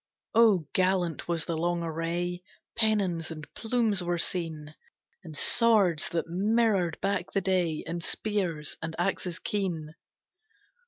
Oh gallant was the long array! Pennons and plumes were seen, And swords that mirrored back the day, And spears and axes keen.